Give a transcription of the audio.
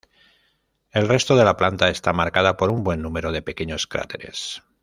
El resto de la planta está marcada por un buen número de pequeños cráteres.